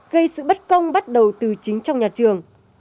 gây sự bất công bắt đầu từ chính trong nhà trường